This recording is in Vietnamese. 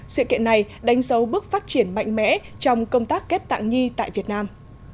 sự kiện này đánh dấu bước phát triển mạnh mẽ trong công tác ghép tạng nhi tại việt nam